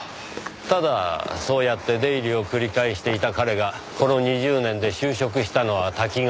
ただそうやって出入りを繰り返していた彼がこの２０年で就職したのはタキガワだけ。